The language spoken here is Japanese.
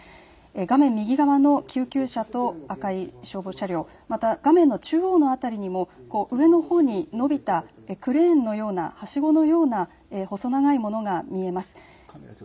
画面右側の救急車と赤い消防車両、また画面の中央の辺りにも上のほうに伸びたクレーンのような、はしごのような細長いものが見えます。